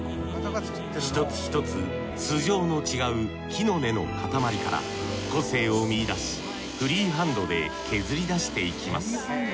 一つ一つ素性の違う木の根の塊から個性を見出しフリーハンドで削り出していきます。